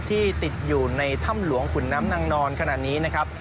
ที่ติดอยู่ในถ้ำหลวงขุนน้ำนางนอนขนาดนี้นะครับ